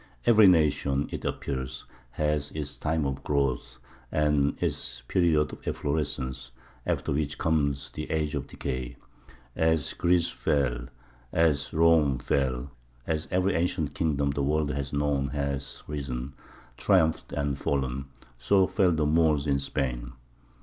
Every nation, it appears, has its time of growth and its period of efflorescence, after which comes the age of decay. As Greece fell, as Rome fell, as every ancient kingdom the world has known has risen, triumphed, and fallen, so fell the Moors in Spain.